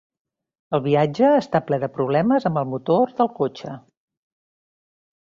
El viatge està ple de problemes amb el motor del cotxe.